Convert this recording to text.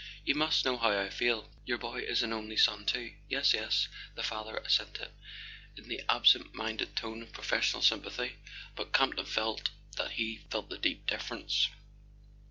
"You must know how I feel; your boy is an only son, too." "Yes, yes," the father assented, in the absent minded tone of professional sympathy. But Campton felt that he felt the deep difference.